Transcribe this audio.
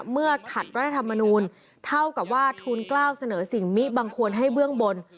เมื่อขัดรัฐธรรมนูลเท่ากับว่าทูลกล้าวเสนอสิ่งมิบังควรให้เบื้องบน